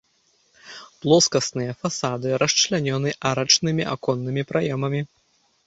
Плоскасныя фасады расчлянёны арачнымі аконнымі праёмамі.